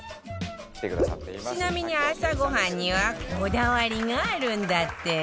ちなみに朝ごはんにはこだわりがあるんだって